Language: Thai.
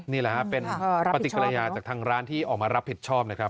นี่แหละครับเป็นปฏิกิริยาจากทางร้านที่ออกมารับผิดชอบนะครับ